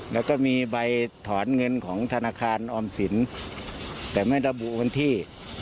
แล้วก็มีใบถอนเงินของธนาคารออมสินแต่ไม่ระบุวันที่